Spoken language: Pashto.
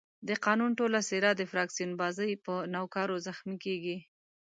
د قانون ټوله څېره د فراکسیون بازۍ په نوکارو زخمي کېږي.